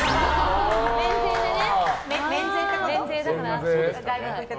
免税でね。